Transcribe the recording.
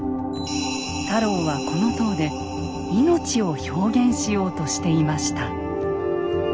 太郎はこの塔で「命」を表現しようとしていました。